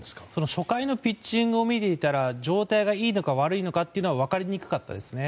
初回のピッチングを見ていたら状態がいいのか、悪いのかは分かりにくかったですね。